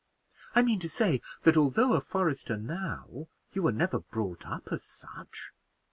I mean to say that, although a forester now, you were never brought up as such.